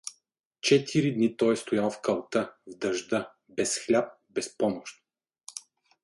Четири дни той е стоял в калта, в дъжда, без хляб, без помощ.